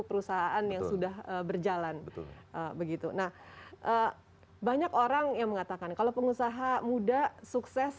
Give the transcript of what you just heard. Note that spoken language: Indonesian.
perusahaan yang sudah berjalan begitu nah banyak orang yang mengatakan kalau pengusaha muda sukses